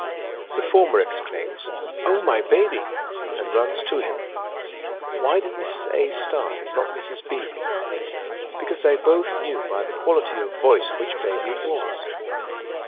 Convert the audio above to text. The former exclaims, " Oh, my baby !" and runs to him. Why did Mrs. A. start and not Mrs. B. ? Because they both knew by the quality of voice which baby it was.